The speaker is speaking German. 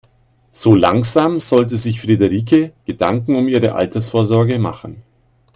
So langsam sollte sich Frederike Gedanken um ihre Altersvorsorge machen.